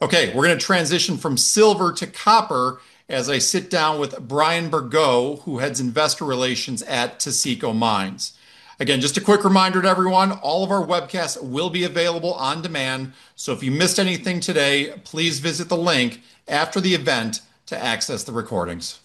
Okay, we're gonna transition from silver to copper as I sit down with Brian Bergot, who heads investor relations at Taseko Mines. Again, just a quick reminder to everyone, all of our webcasts will be available on demand, so if you missed anything today, please visit the link after the event to access the recordings.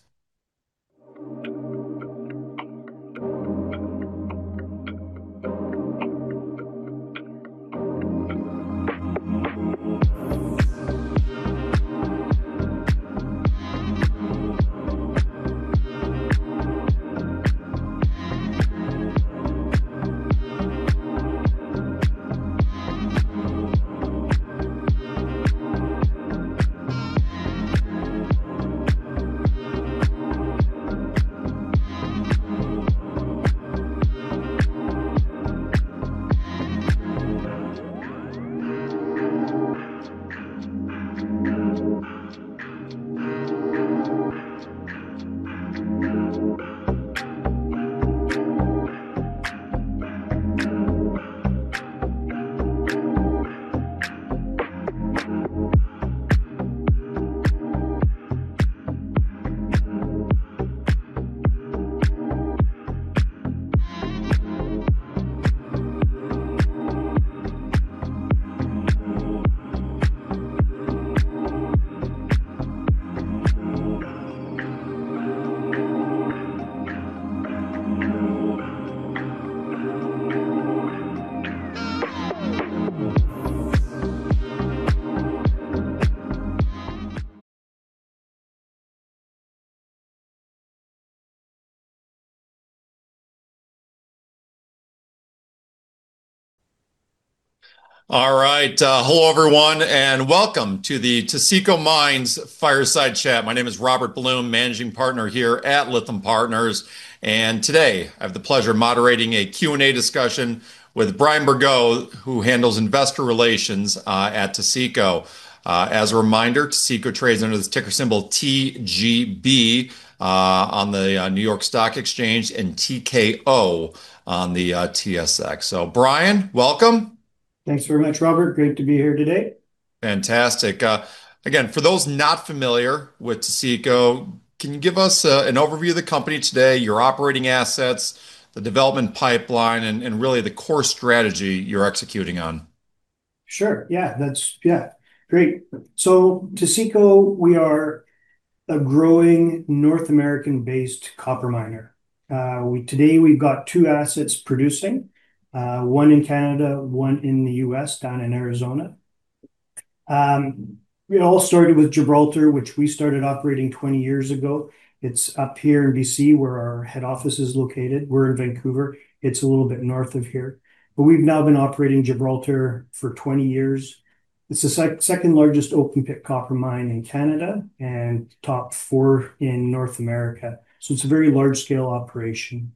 All right. Hello everyone, and welcome to the Taseko Mines Fireside Chat. My name is Robert Blum, Managing Partner here at Lytham Partners. Today, I have the pleasure of moderating a Q&A discussion with Brian Bergot, who handles investor relations at Taseko. As a reminder, Taseko trades under the ticker symbol TGB on the New York Stock Exchange and TKO on the TSX. Brian, welcome. Thanks very much, Robert. Good to be here today. Fantastic. Again, for those not familiar with Taseko, can you give us an overview of the company today, your operating assets, the development pipeline and really the core strategy you're executing on? Sure, yeah. Yeah, great. Taseko, we are a growing North American-based copper miner. Today we've got two assets producing, one in Canada, one in the U.S., down in Arizona. It all started with Gibraltar, which we started operating 20 years ago. It's up here in B.C., where our head office is located. We're in Vancouver. It's a little bit north of here. We've now been operating Gibraltar for 20 years. It's the second largest open pit copper mine in Canada and top 4 in North America, so it's a very large-scale operation.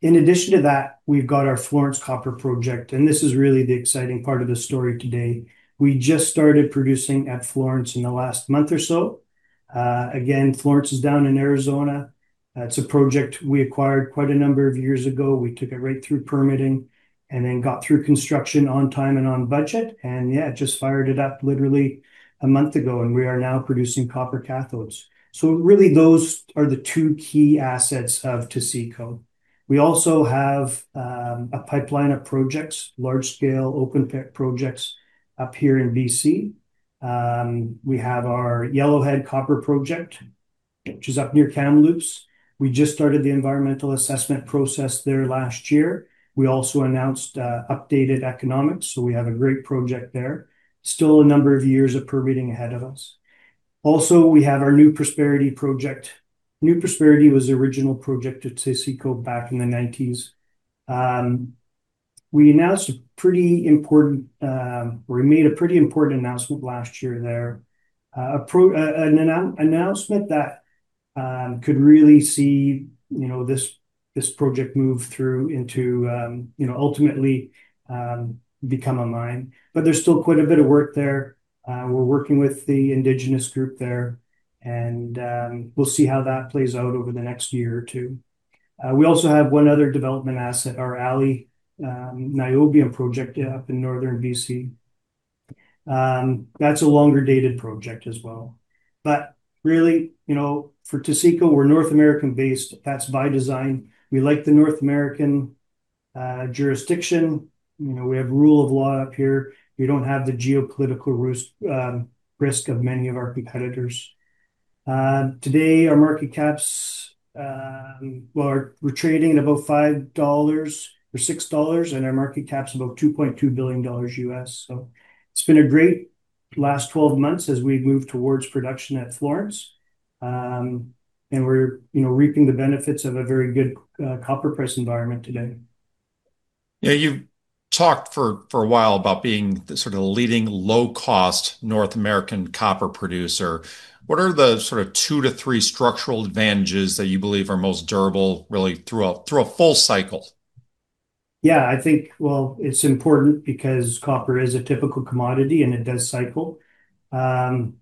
In addition to that, we've got our Florence Copper project, and this is really the exciting part of the story today. We just started producing at Florence in the last month or so. Again, Florence is down in Arizona. It's a project we acquired quite a number of years ago. We took it right through permitting and then got through construction on time and on budget. Yeah, just fired it up literally a month ago, and we are now producing copper cathodes. Really those are the two key assets of Taseko. We also have a pipeline of projects, large scale open pit projects up here in B.C. We have our Yellowhead Copper project, which is up near Kamloops. We just started the environmental assessment process there last year. We also announced updated economics, so we have a great project there. Still a number of years of permitting ahead of us. Also, we have our New Prosperity project. New Prosperity was the original project at Taseko back in the 1990s. We announced a pretty important or we made a pretty important announcement last year there that could really see, you know, this project move through into, you know, ultimately, become a mine. There's still quite a bit of work there. We're working with the indigenous group there and we'll see how that plays out over the next year or two. We also have one other development asset, our Aley niobium project up in northern BC. That's a longer dated project as well. Really, you know, for Taseko, we're North American-based. That's by design. We like the North American jurisdiction. You know, we have rule of law up here. We don't have the geopolitical risk of many of our competitors. Today, our market caps. We're trading at about $5 or $6, and our market cap's about $2.2 billion. It's been a great last 12 months as we move towards production at Florence. We're, you know, reaping the benefits of a very good copper price environment today. Yeah. You've talked for a while about being the sort of leading low-cost North American copper producer. What are the sort of 2-3 structural advantages that you believe are most durable, really through a full cycle? Well, it's important because copper is a typical commodity, and it does cycle. You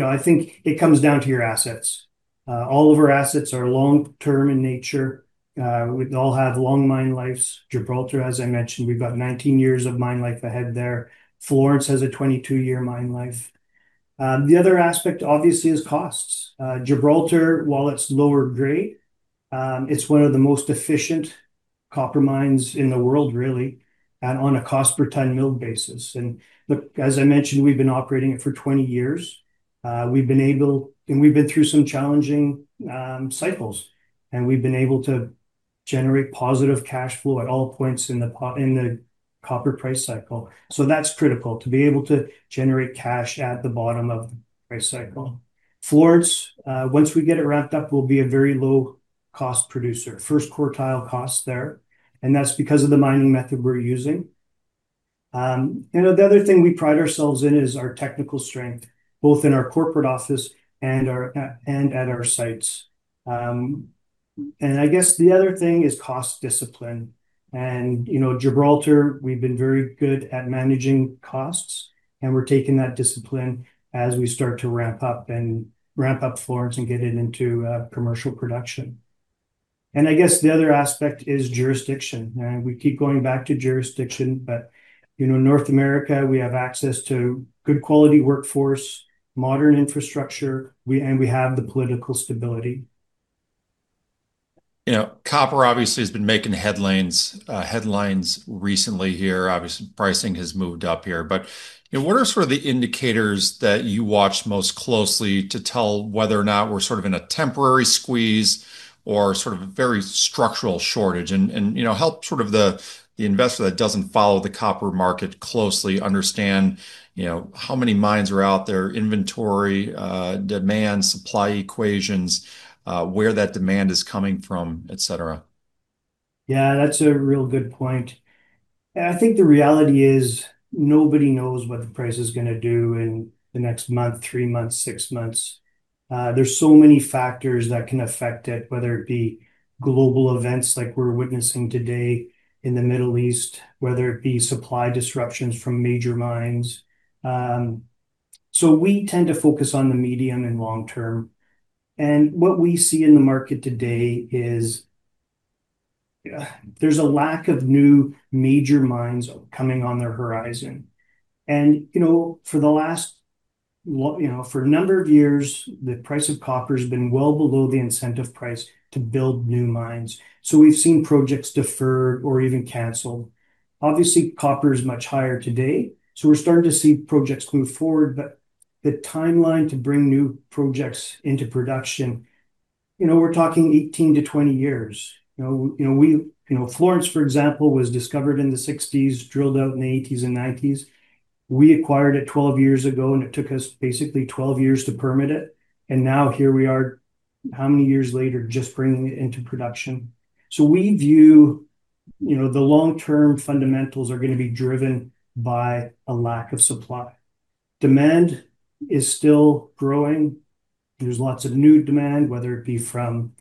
know, I think it comes down to your assets. All of our assets are long-term in nature. We all have long mine lives. Gibraltar, as I mentioned, we've got 19 years of mine life ahead there. Florence has a 22-year mine life. The other aspect obviously is costs. Gibraltar, while it's lower grade, it's one of the most efficient copper mines in the world really and on a cost per ton milled basis. Look, as I mentioned, we've been operating it for 20 years. We've been able to generate positive cash flow at all points in the copper price cycle. That's critical, to be able to generate cash at the bottom of the price cycle. Florence, once we get it ramped up, will be a very low cost producer. First quartile cost there, and that's because of the mining method we're using. You know, the other thing we pride ourselves in is our technical strength, both in our corporate office and our and at our sites. I guess the other thing is cost discipline. You know, Gibraltar, we've been very good at managing costs, and we're taking that discipline as we start to ramp up Florence and get it into commercial production. I guess the other aspect is jurisdiction. We keep going back to jurisdiction. You know, North America, we have access to good quality workforce, modern infrastructure, we, and we have the political stability. You know, copper obviously has been making headlines recently here. Obviously, pricing has moved up here. You know, what are sort of the indicators that you watch most closely to tell whether or not we're sort of in a temporary squeeze or sort of a very structural shortage? You know, help sort of the investor that doesn't follow the copper market closely understand, you know, how many mines are out there, inventory, demand, supply equations, where that demand is coming from, et cetera. Yeah, that's a real good point. I think the reality is nobody knows what the price is gonna do in the next month, 3 months, 6 months. There's so many factors that can affect it, whether it be global events like we're witnessing today in the Middle East, whether it be supply disruptions from major mines. We tend to focus on the medium and long term. What we see in the market today is, there's a lack of new major mines coming on the horizon. You know, for a number of years, the price of copper has been well below the incentive price to build new mines. We've seen projects deferred or even canceled. Obviously, copper is much higher today, so we're starting to see projects move forward. The timeline to bring new projects into production, you know, we're talking 18-20 years. You know, we, you know, Florence, for example, was discovered in the 1960s, drilled out in the 1980s and 1990s. We acquired it 12 years ago, and it took us basically 12 years to permit it. Now here we are, how many years later, just bringing it into production. We view, you know, the long-term fundamentals are gonna be driven by a lack of supply. Demand is still growing. There's lots of new demand, whether it be from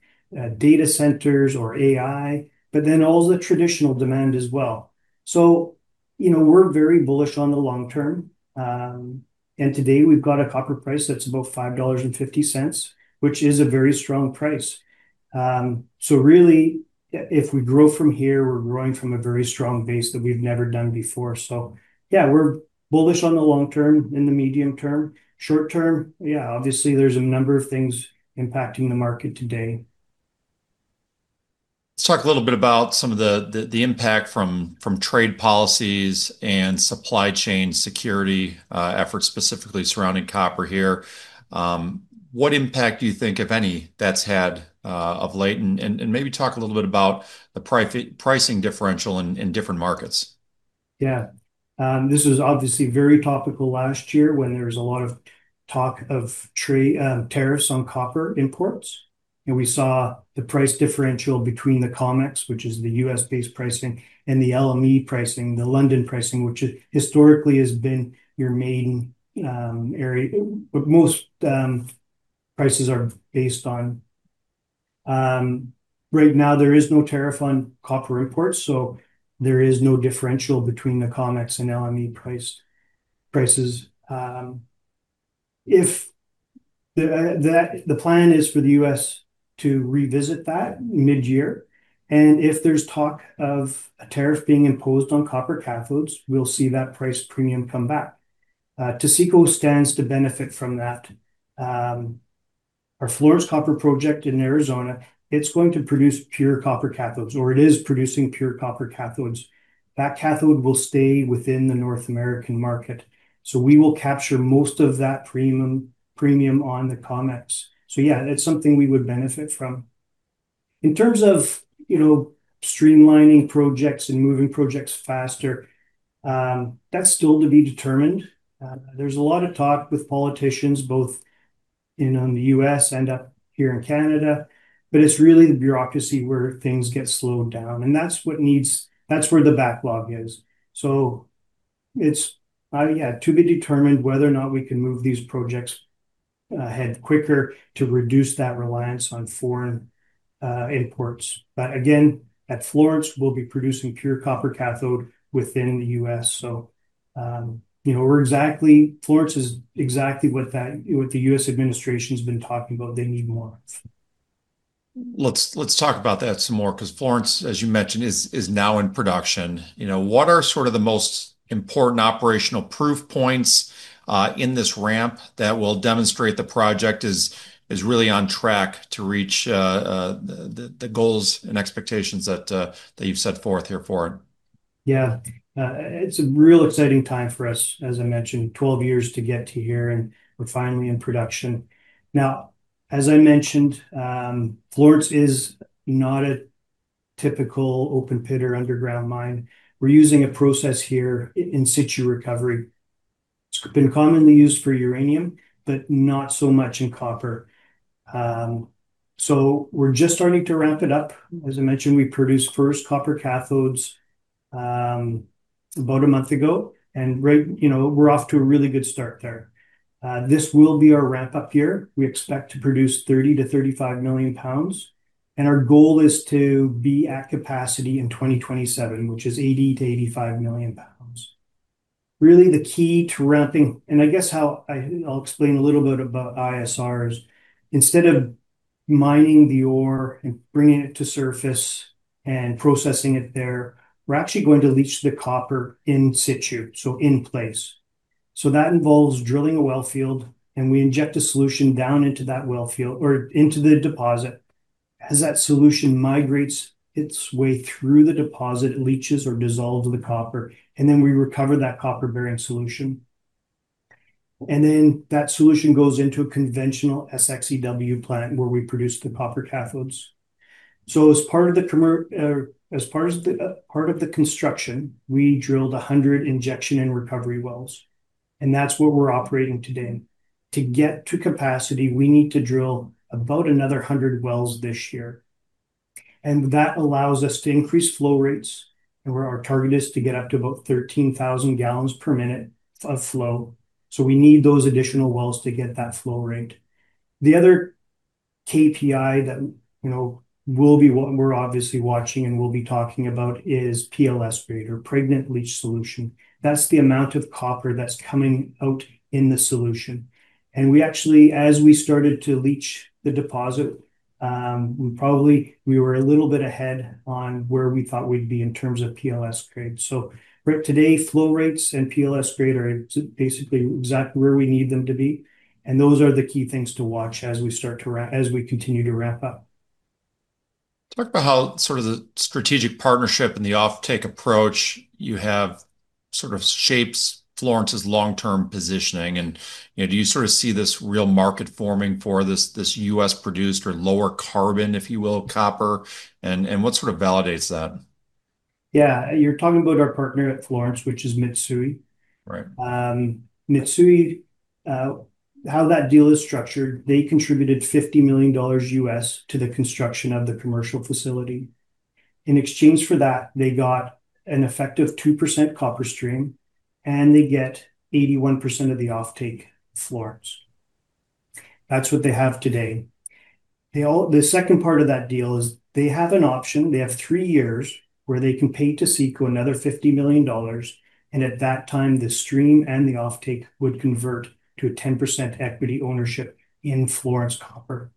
data centers or AI, but then all the traditional demand as well. You know, we're very bullish on the long term. And today we've got a copper price that's about $5.50, which is a very strong price. Really, if we grow from here, we're growing from a very strong base that we've never done before. Yeah, we're bullish on the long term and the medium term. Short term, yeah, obviously there's a number of things impacting the market today. Let's talk a little bit about some of the impact from trade policies and supply chain security efforts specifically surrounding copper here. What impact do you think, if any, that's had of late? Maybe talk a little bit about the pricing differential in different markets. Yeah. This was obviously very topical last year when there was a lot of talk of tariffs on copper imports. We saw the price differential between the COMEX, which is the U.S.-based pricing, and the LME pricing, the London pricing, which historically has been your main area, most prices are based on. Right now there is no tariff on copper imports, so there is no differential between the COMEX and LME prices. If the plan is for the U.S. to revisit that mid-year, and if there's talk of a tariff being imposed on copper cathodes, we'll see that price premium come back. Taseko stands to benefit from that. Our Florence Copper project in Arizona, it's going to produce pure copper cathodes, or it is producing pure copper cathodes. That cathode will stay within the North American market. We will capture most of that premium on the COMEX. Yeah, it's something we would benefit from. In terms of, you know, streamlining projects and moving projects faster, that's still to be determined. There's a lot of talk with politicians both in the U.S. and up here in Canada, but it's really the bureaucracy where things get slowed down. That's what needs. That's where the backlog is. It's, yeah, to be determined whether or not we can move these projects ahead quicker to reduce that reliance on foreign imports. Again, at Florence we'll be producing pure copper cathode within the U.S., so, you know, we're exactly Florence is exactly what that, what the U.S. administration's been talking about they need more of. Let's talk about that some more, 'cause Florence, as you mentioned, is now in production. You know, what are sort of the most important operational proof points in this ramp that will demonstrate the project is really on track to reach the goals and expectations that you've set forth here for it? Yeah. It's a real exciting time for us, as I mentioned, 12 years to get to here, and we're finally in production. Now, as I mentioned, Florence is not a typical open pit or underground mine. We're using a process here, in situ recovery. It's been commonly used for uranium, but not so much in copper. So we're just starting to ramp it up. As I mentioned, we produced first copper cathodes about a month ago, and you know, we're off to a really good start there. This will be our ramp-up year. We expect to produce 30-35 million lbs, and our goal is to be at capacity in 2027, which is 80-85 million lbs. Really the key to ramping, and I guess how I... I'll explain a little bit about what ISR is instead of mining the ore and bringing it to surface and processing it there. We're actually going to leach the copper in situ, so in place. That involves drilling a well field, and we inject a solution down into that well field or into the deposit. As that solution migrates its way through the deposit, it leaches or dissolves the copper, and then we recover that copper-bearing solution, and then that solution goes into a conventional SXEW plant where we produce the copper cathodes. As part of the construction, we drilled 100 injection and recovery wells, and that's what we're operating today. To get to capacity, we need to drill about another 100 wells this year, and that allows us to increase flow rates. Our target is to get up to about 13,000 gallons per minute of flow. We need those additional wells to get that flow rate. The other KPI that, you know, we're obviously watching and we'll be talking about is PLS grade or pregnant leach solution. That's the amount of copper that's coming out in the solution. We actually, as we started to leach the deposit, we probably, we were a little bit ahead on where we thought we'd be in terms of PLS grade. Right today, flow rates and PLS grade are basically exactly where we need them to be, and those are the key things to watch as we continue to ramp up. Talk about how sort of the strategic partnership and the offtake approach you have sort of shapes Florence's long-term positioning and, you know, do you sort of see this real market forming for this U.S.-produced or lower carbon, if you will, copper? And what sort of validates that? Yeah. You're talking about our partner at Florence, which is Mitsui. Right. Mitsui, how that deal is structured, they contributed $50 million to the construction of the commercial facility. In exchange for that, they got an effective 2% copper stream, and they get 81% of the offtake Florence Copper. That's what they have today. The second part of that deal is they have an option, they have 3 years where they can pay Taseko another $50 million, and at that time, the stream and the offtake would convert to a 10% equity ownership in Florence Copper.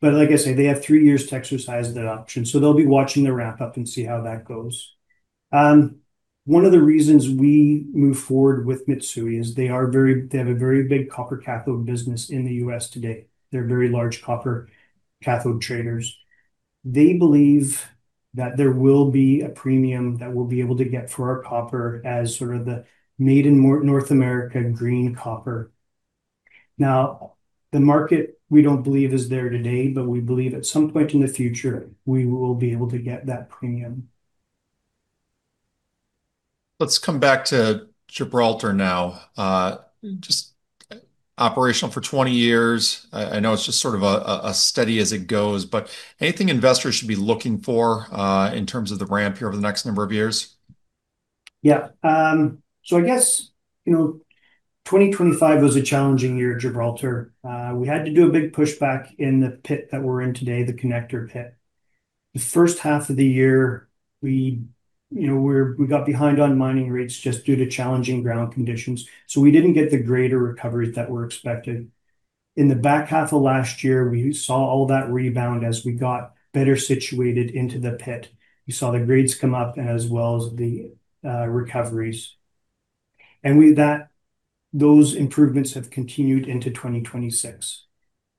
Like I say, they have 3 years to exercise that option, so they'll be watching the ramp-up and see how that goes. One of the reasons we moved forward with Mitsui is they have a very big copper cathode business in the U.S. today. They're very large copper cathode traders. They believe that there will be a premium that we'll be able to get for our copper as sort of the made in North America green copper. Now, the market we don't believe is there today, but we believe at some point in the future, we will be able to get that premium. Let's come back to Gibraltar now. Just operational for 20 years. I know it's just sort of a steady as it goes, but anything investors should be looking for in terms of the ramp here over the next number of years? I guess, you know, 2025 was a challenging year at Gibraltar. We had to do a big pushback in the pit that we're in today, the connector pit. The first half of the year, you know, we got behind on mining rates just due to challenging ground conditions, so we didn't get the grade recoveries that were expected. In the back half of last year, we saw all that rebound as we got better situated into the pit. We saw the grades come up as well as the recoveries. Those improvements have continued into 2026.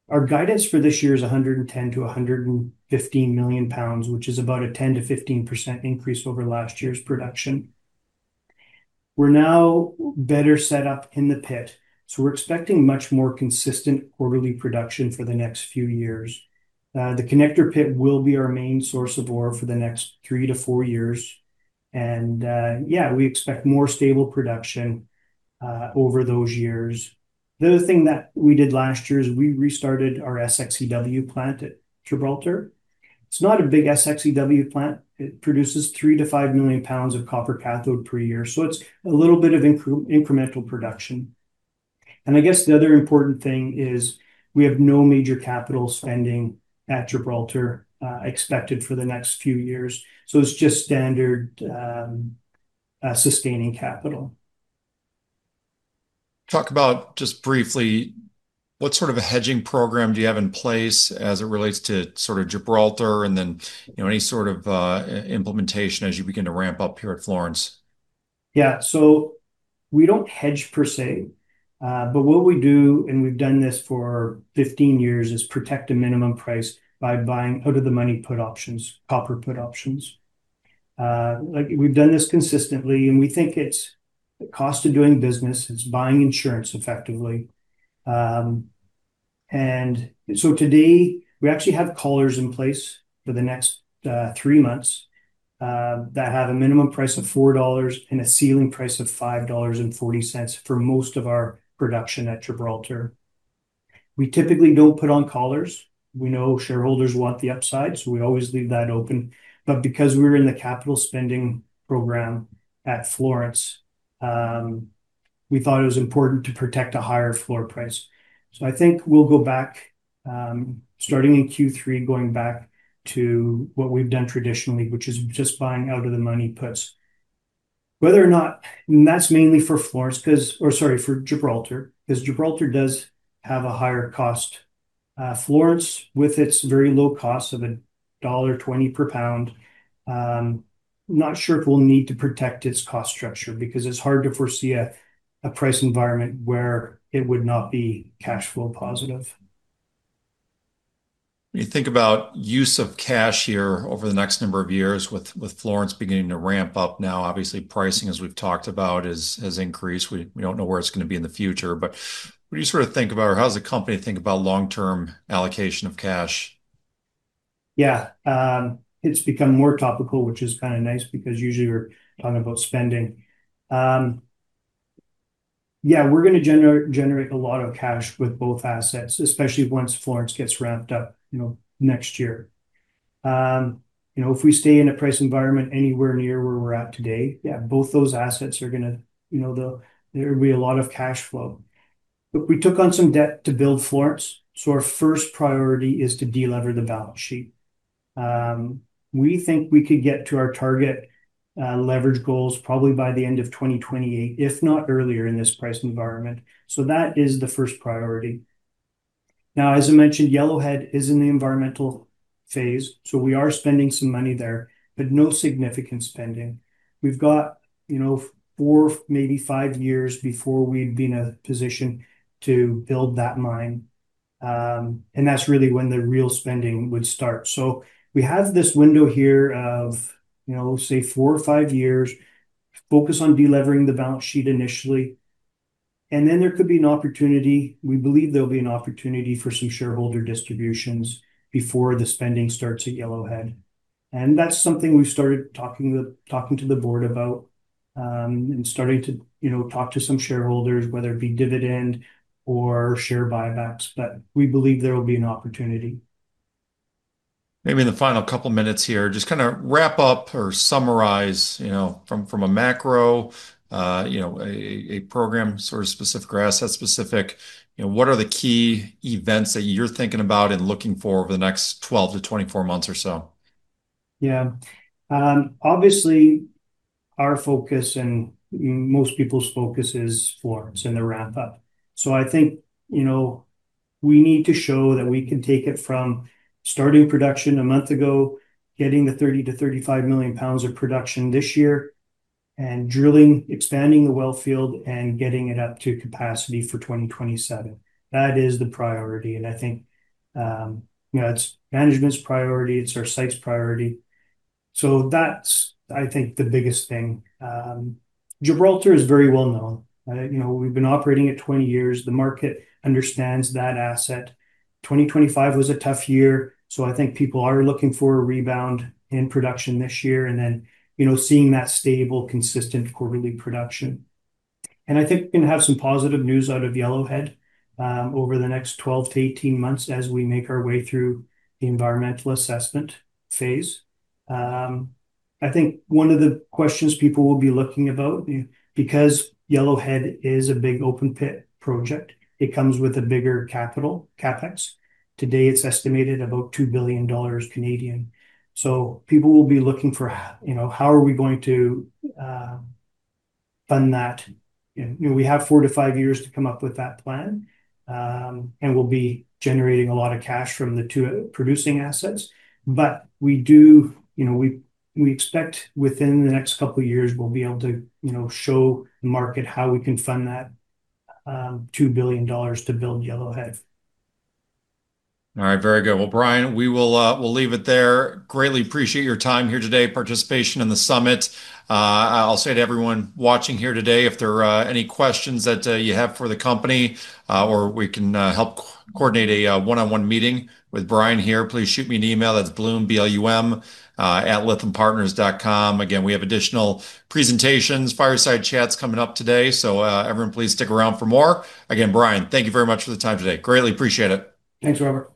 Our guidance for this year is 110-115 million lbs, which is about a 10%-15% increase over last year's production. We're now better set up in the pit, so we're expecting much more consistent quarterly production for the next few years. The connector pit will be our main source of ore for the next 3-4 years, and we expect more stable production over those years. The other thing that we did last year is we restarted our SXEW plant at Gibraltar. It's not a big SXEW plant. It produces 3-5 million lbs of copper cathode per year, so it's a little bit of incremental production. I guess the other important thing is we have no major capital spending at Gibraltar expected for the next few years. It's just standard sustaining capital. Talk about just briefly what sort of a hedging program do you have in place as it relates to sort of Gibraltar and then, you know, any sort of implementation as you begin to ramp up here at Florence? Yeah. We don't hedge per se, but what we do, and we've done this for 15 years, is protect a minimum price by buying out of the money put options, copper put options. Like, we've done this consistently, and we think it's the cost of doing business. It's buying insurance effectively. Today we actually have collars in place for the next 3 months that have a minimum price of $4 and a ceiling price of $5.40 for most of our production at Gibraltar. We typically don't put on collars. We know shareholders want the upside, so we always leave that open. Because we're in the capital spending program at Florence, we thought it was important to protect a higher floor price. I think we'll go back, starting in Q3, going back to what we've done traditionally, which is just buying out of the money puts. That's mainly for Gibraltar, 'cause Gibraltar does have a higher cost. Florence, with its very low cost of $1.20 per pound, not sure if we'll need to protect its cost structure because it's hard to foresee a price environment where it would not be cash flow positive. When you think about use of cash here over the next number of years with Florence beginning to ramp up now, obviously pricing, as we've talked about, has increased. We don't know where it's gonna be in the future, but when you sort of think about or how does the company think about long-term allocation of cash? Yeah. It's become more topical, which is kinda nice because usually we're talking about spending. Yeah, we're gonna generate a lot of cash with both assets, especially once Florence gets ramped up, you know, next year. You know, if we stay in a price environment anywhere near where we're at today, yeah, both those assets are gonna, you know, there'll be a lot of cash flow. Look, we took on some debt to build Florence, so our first priority is to de-lever the balance sheet. We think we could get to our target leverage goals probably by the end of 2028, if not earlier in this price environment. That is the first priority. Now, as I mentioned, Yellowhead is in the environmental phase, so we are spending some money there, but no significant spending. We've got, you know, 4, maybe 5 years before we'd be in a position to build that mine. That's really when the real spending would start. We have this window here of, you know, say 4 or 5 years, focus on de-levering the balance sheet initially. Then there could be an opportunity. We believe there'll be an opportunity for some shareholder distributions before the spending starts at Yellowhead. That's something we've started talking to the board about, and starting to, you know, talk to some shareholders, whether it be dividend or share buybacks. We believe there will be an opportunity. Maybe in the final couple minutes here, just kinda wrap up or summarize, you know, from a macro, you know, a program sort of specific or asset-specific. You know, what are the key events that you're thinking about and looking for over the next 12-24 months or so? Yeah. Obviously our focus and most people's focus is Florence and the ramp up. I think, you know, we need to show that we can take it from starting production a month ago, getting the 30-35 million lbs of production this year, and drilling, expanding the well field, and getting it up to capacity for 2027. That is the priority, and I think, you know, it's management's priority, it's our site's priority. That's, I think, the biggest thing. Gibraltar is very well-known. You know, we've been operating it 20 years. The market understands that asset. 2025 was a tough year, so I think people are looking for a rebound in production this year and then, you know, seeing that stable, consistent quarterly production. I think we're gonna have some positive news out of Yellowhead over the next 12-18 months as we make our way through the environmental assessment phase. I think one of the questions people will be looking about, because Yellowhead is a big open pit project, it comes with a bigger capital, CapEx. Today, it's estimated about 2 billion Canadian dollars. People will be looking for you know, how are we going to fund that? You know, we have 4-5 years to come up with that plan. We'll be generating a lot of cash from the two producing assets. But we do you know, we expect within the next couple of years we'll be able to you know, show the market how we can fund that 2 billion dollars to build Yellowhead. All right. Very good. Well, Brian, we will, we'll leave it there. I greatly appreciate your time here today, participation in the summit. I'll say to everyone watching here today, if there are any questions that you have for the company, or we can help coordinate a one-on-one meeting with Brian here, please shoot me an email. That's blum, B-L-U-M, @lythampartners.com. Again, we have additional presentations, fireside chats coming up today. Everyone please stick around for more. Again, Brian, thank you very much for the time today. I greatly appreciate it. Thanks, Robert.